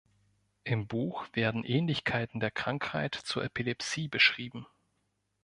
Im Buch werden Ähnlichkeiten der Krankheit zur Epilepsie beschrieben.